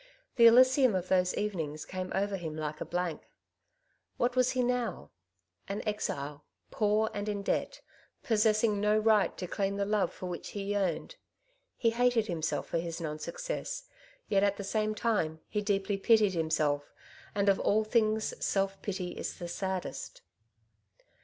The elysium of those evenings came over him like a blank. What was he now ? An exile, poor and in debt, possessing no right to claim the love for which he yearned. He hated himself for his non success, yet at the same time he deeply pitied himself, and of all things self pity is the saddest.